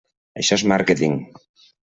Això és màrqueting.